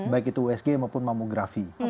baik itu usg maupun mamografi